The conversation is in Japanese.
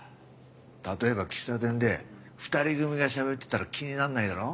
例えば喫茶店で２人組がしゃべってたら気になんないだろ。